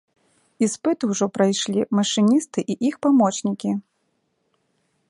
Іспыты ўжо прайшлі машыністы і іх памочнікі.